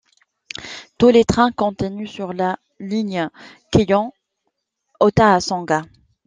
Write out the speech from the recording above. Tous les trains continuent sur la ligne Keihan Ōtō à Sanjō.